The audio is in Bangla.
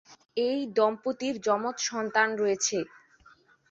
এই দম্পতির যমজ সন্তান রয়েছে।